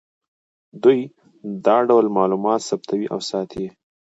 دوی دا ټول معلومات ثبتوي او ساتي یې